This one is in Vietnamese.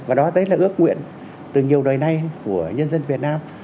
và đó đấy là ước nguyện từ nhiều đời nay của nhân dân việt nam